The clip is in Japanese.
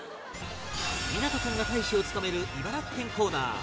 湊君が大使を務める茨城県コーナー